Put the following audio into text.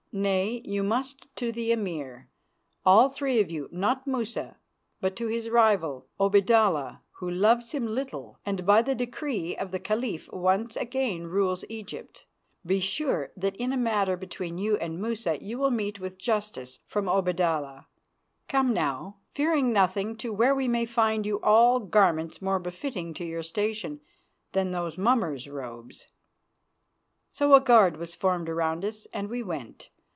Nay, you must to the Emir, all three of you not Musa, but to his rival, Obaidallah, who loves him little, and by the decree of the Caliph once again rules Egypt. Be sure that in a matter between you and Musa you will meet with justice from Obaidallah. Come now, fearing nothing, to where we may find you all garments more befitting to your station than those mummer's robes." So a guard was formed round us, and we went.